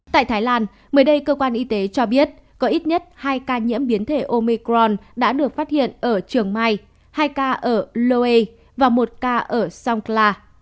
tại thái lan mới đây cơ quan y tế cho biết có ít nhất hai ca nhiễm biến thể omicron đã được phát hiện ở trường mai hai ca ở loue và một ca ở sonkla